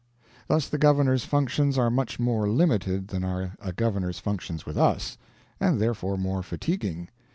Thus the Governor's functions are much more limited than are a Governor's functions with us. And therefore more fatiguing.